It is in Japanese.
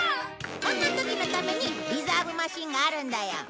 こんな時のためにリザーブ・マシンがあるんだよ。